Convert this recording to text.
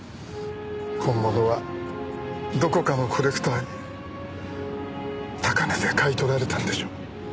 本物はどこかのコレクターに高値で買い取られたんでしょう。